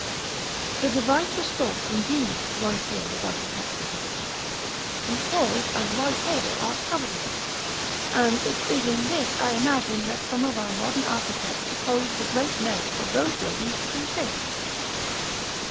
The device was thought ingenious at one period of architectural history; St. Paul's and Whitehall are covered with it, and it is in this I imagine that some of our modern architects suppose the great merit of those buildings to consist.